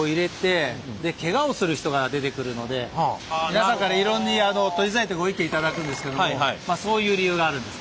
皆さんから取りづらいとご意見頂くんですけどもそういう理由があるんです。